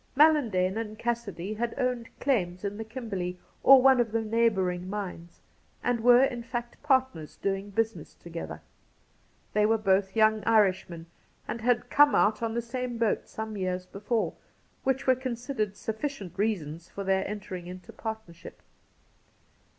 MaUan dane and Cassidy had owned claims in the Kim berley or one of the neighbouring mines, and were in fact partners doing business together. They were both young Irishmen, and had come out on the same boat some years before — which were considered sufficient reasons for their entering into partnership.